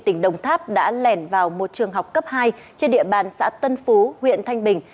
tỉnh đồng tháp đã lẻn vào một trường học cấp hai trên địa bàn xã tân phú huyện thanh bình